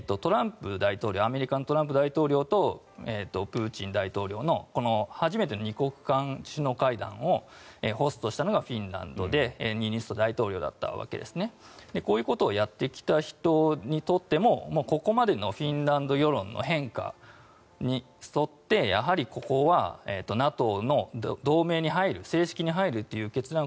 アメリカのトランプ大統領とプーチン大統領の初めての２国間首脳会談をホストしたのがフィンランドでニーニスト大統領だったわけですこういうことをやってきた人にとってもここまでのフィンランド世論の変化に沿ってやはりここはＮＡＴＯの同盟に入る正式に入るという決断